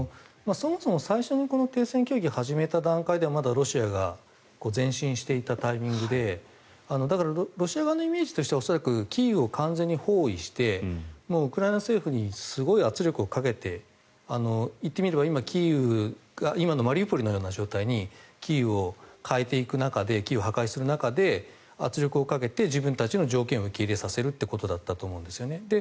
そもそも最初の停戦協議を始めた段階ではまだロシアが前進していたタイミングでだからロシア側のイメージとしてキーウを完全に包囲してウクライナ政府にすごい圧力をかけて言ってみれば今キーウが今のマリウポリのような状態にキーウを変えていく中でキーウを破壊する中で圧力をかけて自分たちの条件を受け入れさせるということだったと思うんです。